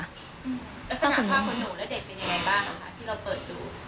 แล้วสนามผ้าขนหนูและเด็กเป็นอย่างไรบ้างค่ะที่เราเปิดดู